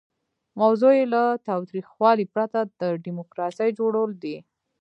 موضوع یې له تاوتریخوالي پرته د ډیموکراسۍ جوړول دي.